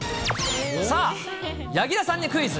さあ、柳楽さんにクイズ。